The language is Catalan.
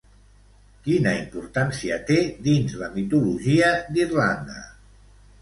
Quina importància té dins la mitologia d'Irlanda?